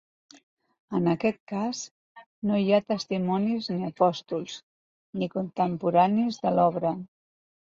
En aquest cas, no hi ha testimonis ni apòstols, ni contemporanis de l'obra.